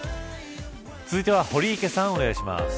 続いては堀池さんお願いします。